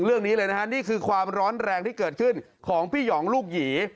เรื่องนี้เลยนะฮะนี่คือความร้อนแรงที่เกิดขึ้นของพี่หองลูกหยี